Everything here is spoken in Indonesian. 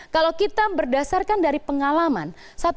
kalau kita berdasarkan dari pengalaman satu dua tiga empat lima